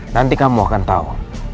nanti kamu akan tahu